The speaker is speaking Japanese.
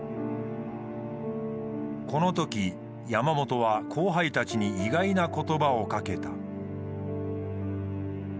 このとき山本は後輩たちに意外な言葉をかけた。